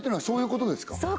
そういうことです